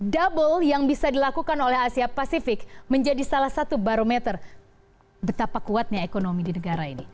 double yang bisa dilakukan oleh asia pasifik menjadi salah satu barometer betapa kuatnya ekonomi di negara ini